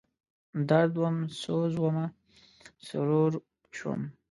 درد وم، سوز ومه، سرور شوم